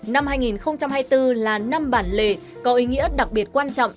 năm hai nghìn hai mươi bốn là năm bản lề có ý nghĩa đặc biệt quan trọng